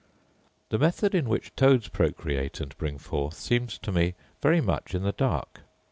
The method in which toads procreate and bring forth seems to me very much in the dark.